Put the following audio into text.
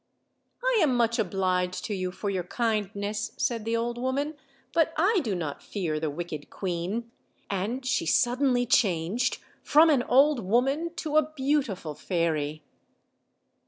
"I am much obliged to you for your kindness," said Mie old woman, "but I do not fear the wicked queen;" and she suddenly changed from an old woman to a beau tiful fairy.